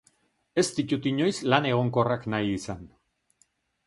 Ez ditut inoiz lan egonkorrak nahi izan.